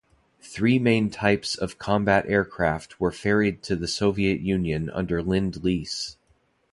Three main types of combat aircraft were ferried to the Soviet Union under Lend-Lease.